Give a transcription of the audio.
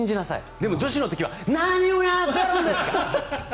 でも女子の時は何をやってるんですか！